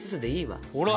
ほら！